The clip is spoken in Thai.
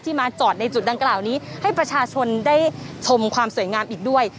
มาจอดในจุดดังกล่าวนี้ให้ประชาชนได้ชมความสวยงามอีกด้วย